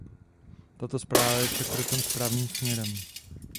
Tato zpráva je však krokem správným směrem.